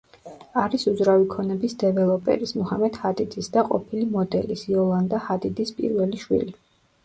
არის უძრავი ქონების დეველოპერის, მუჰამედ ჰადიდის და ყოფილი მოდელის იოლანდა ჰადიდის პირველი შვილი.